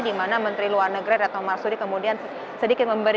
di mana menteri luar negeri retno marsudi kemudian sedikit memberikan